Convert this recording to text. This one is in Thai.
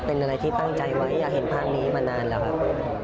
เป็นอะไรที่ตั้งใจไว้อยากเห็นภาพนี้มานานแล้วครับ